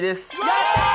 やったー！